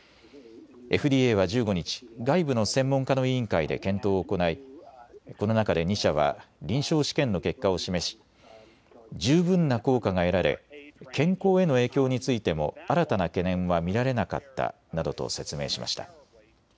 ＦＤＡは１５日、外部の専門家の委員会で検討を行いこの中で２社は臨床試験の結果を示し、十分な効果が得られ健康への影響についても新たな懸念は見られなかったなどと説明しました。